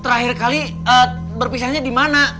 terakhir kali berpisahnya dimana